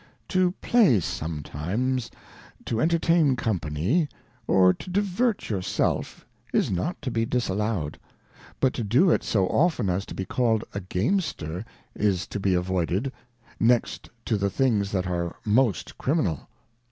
To play sometimes, to entertain Company, or to divert your self, is not to be disallowed, but to do it so often as to be called a Gamester, is to be avoided, next to the things that are most Criminal.